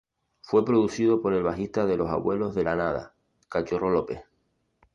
Fue producido por el bajista de Los Abuelos de la Nada, Cachorro López.